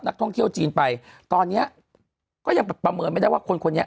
ท่องเที่ยวจีนไปตอนเนี้ยก็ยังประเมินไม่ได้ว่าคนคนนี้